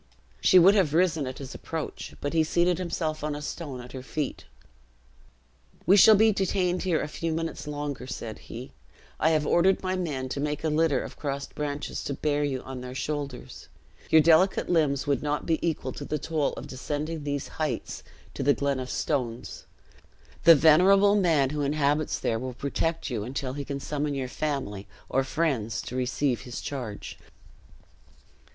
She would have risen at his approach, but he seated himself on a stone at her feet. "We shall be detained here a few minutes longer," said he; "I have ordered my men to make a litter of crossed branches, to bear you on their shoulders. Your delicate limbs would not be equal to the toil of descending these heights, to the glen of stones. The venerable man who inhabits there will protect you until he can summon your family, or friends, to receive his charge."